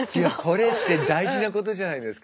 これって大事なことじゃないですか。